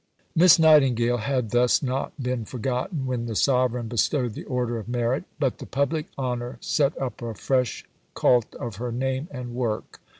Miss Nightingale had thus not been forgotten when the Sovereign bestowed the Order of Merit; but the public honour set up a fresh cult of her name and work.